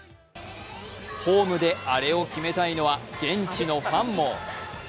ホームでアレを決めたいのは現地のファンも。